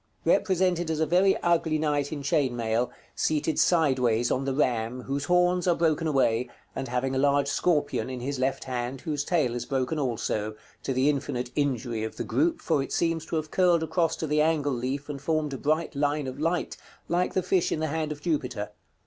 Represented as a very ugly knight in chain mail, seated sideways on the ram, whose horns are broken away, and having a large scorpion in his left hand, whose tail is broken also, to the infinite injury of the group, for it seems to have curled across to the angle leaf, and formed a bright line of light, like the fish in the hand of Jupiter.